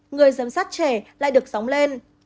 người giám sát trẻ lại được sóng lên